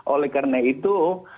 oleh karena itu